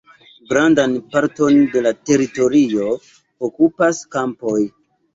Grandan parton de la teritorio okupas kampoj.